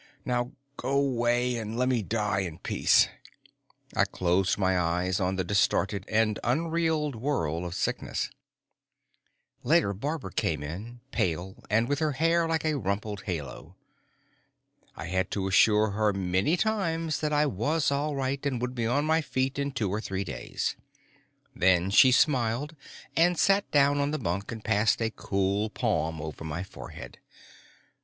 Now go 'way and lemme die in peace." I closed my eyes on the distorted and unreal world of sickness. Later Barbara came in, pale and with her hair like a rumpled halo. I had to assure her many times that I was all right and would be on my feet in two or three days. Then she smiled and sat down on the bunk and passed a cool palm over my forehead.